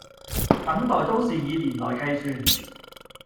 等待都是以年來計算